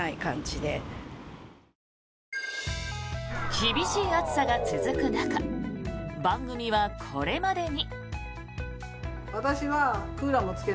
厳しい暑さが続く中番組は、これまでに。